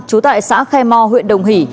chú tại xã khai mo huyện đồng hỷ